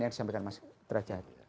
yang disampaikan mas derajat